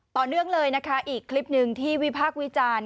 ต่อเนื่องเลยนะคะอีกคลิปหนึ่งที่วิพากษ์วิจารณ์